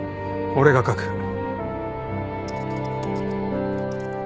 俺が書く。